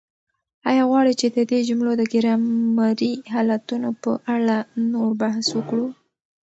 آیا غواړئ چې د دې جملو د ګرامري حالتونو په اړه نور بحث وکړو؟